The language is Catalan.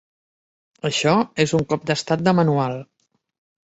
Això és un cop d’estat de manual.